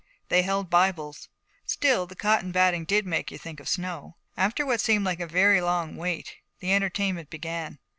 They held Bibles. Still, the cotton batting did make you think of snow. After what seemed like a very long wait the entertainment began.